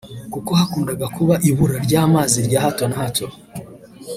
kuko hakundaga kuba ibura ry’amazi rya hato na hato